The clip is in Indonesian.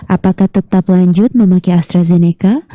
apakah tetap lanjut memakai astrazeneca